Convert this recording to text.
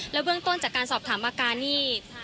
แล้วเวิ่งต้นจากการสอบถามอาการนี่